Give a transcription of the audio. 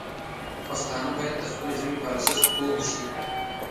پښتانه باید د خپلې ژبې په ارزښت پوه شي.